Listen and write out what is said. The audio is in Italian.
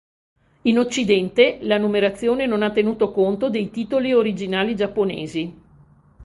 In Occidente la numerazione non ha tenuto conto dei titoli originali giapponesi.